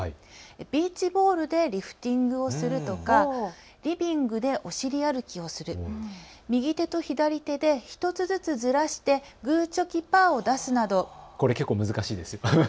ビーチボールでリフティングをするとかリビングでお尻歩きをする、右手と左手で１つずつずらして、グー、チョキ、パーを出すなど結構、難しいですよ。